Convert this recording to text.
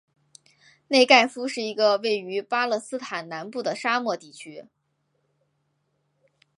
内盖夫是一个位于巴勒斯坦南部的沙漠地区。